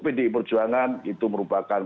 pdi perjuangan itu merupakan